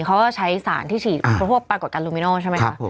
เขาก็ใช้สารที่ฉีดปรากฏกันลูมินอลใช่ไหมครับ